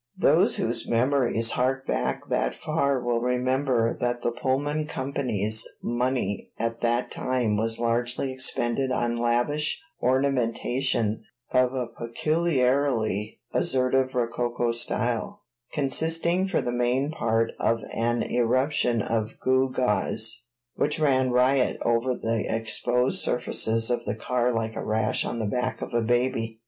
Those whose memories hark back that far will remember that the Pullman Company's money at that time was largely expended on lavish ornamentation of a peculiarly assertive rococo style, consisting for the main part of an eruption of gew gaws which ran riot over the exposed surfaces of the car like a rash on the back of a baby.